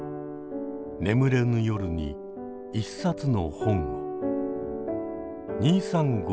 眠れぬ夜に一冊の本を。